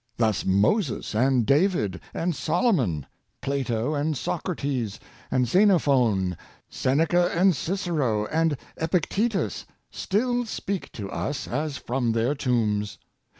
Thus, Moses and David and Solomon, Plato and Socrates and Xenophon, Seneca and Cicero and Epictetus, still speak to us as from their tombs.